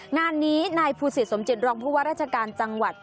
งานนี้ในภูตสิตสมจิตรองพพพฤวรรชการจังหวัด